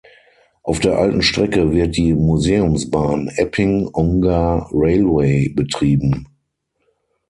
Auf der alten Strecke wird die Museumsbahn Epping Ongar Railway betrieben.